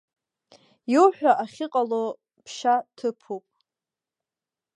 Иуҳәо ахьыҟало ԥшьа-ҭыԥуп.